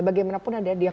bagaimanapun ada dia korban